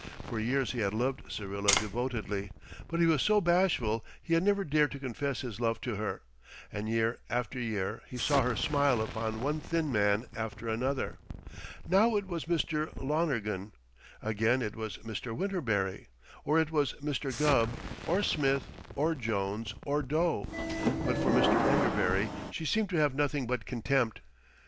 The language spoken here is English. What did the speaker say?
For years he had loved Syrilla devotedly, but he was so bashful he had never dared to confess his love to her, and year after year he saw her smile upon one thin man after another. Now it was Mr. Lonergan; again it was Mr. Winterberry or it was Mr. Gubb, or Smith, or Jones, or Doe; but for Mr. Enderbury she seemed to have nothing but contempt. Mr.